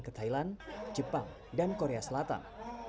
ke thailand jepang dan korea selatan